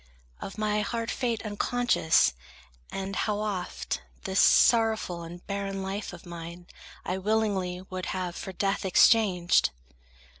Of my hard fate unconscious, and how oft This sorrowful and barren life of mine I willingly would have for death exchanged!